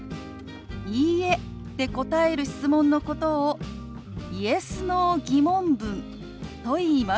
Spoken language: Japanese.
「いいえ」で答える質問のことを「Ｙｅｓ／Ｎｏ−疑問文」といいます。